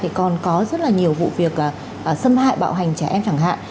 thì còn có rất là nhiều vụ việc xâm hại bạo hành trẻ em chẳng hạn